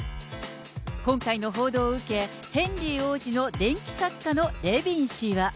今回の報道を受け、ヘンリー王子の伝記作家のレビン氏は。